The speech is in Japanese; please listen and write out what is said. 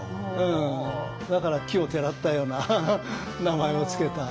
だから奇をてらったような名前を付けた。